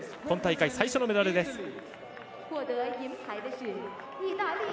今大会最初のメダルです。